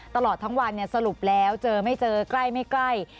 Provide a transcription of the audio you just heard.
ตลอดทั้งวันสรุปแล้วเจอไม่เจอใกล้ไม่ใกล้